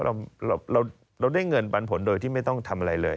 เราได้เงินปันผลโดยที่ไม่ต้องทำอะไรเลย